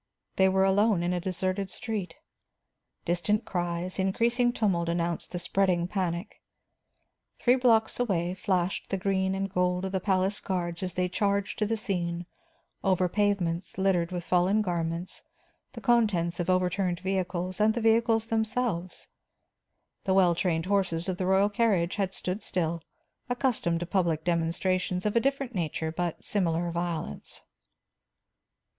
They were alone in a deserted street. Distant cries, increasing tumult, announced the spreading panic. Three blocks away flashed the green and gold of the palace guards as they charged to the scene, over pavements littered with fallen garments, the contents of overturned vehicles, and the vehicles themselves. The well trained horses of the royal carriage had stood still, accustomed to public demonstrations of a different nature but similar violence.